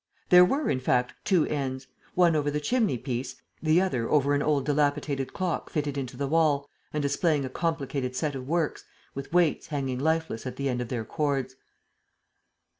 There were, in fact, two "N's," one over the chimneypiece, the other over an old dilapidated clock fitted into the wall and displaying a complicated set of works, with weights hanging lifeless at the end of their cords.